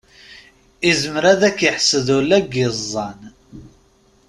Izmer ad k-iḥsed ula deg iẓẓan.